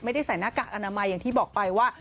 ใส่หน้ากากอนามัยอย่างที่บอกไปว่า